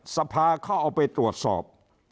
สภาเขาเอาไปตรวจสอบ